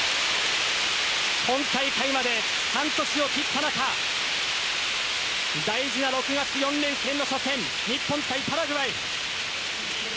本大会まで半年を切った中大事な６月４連戦の初戦日本対パラグアイ。